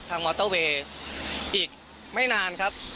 มอเตอร์เวย์อีกไม่นานครับ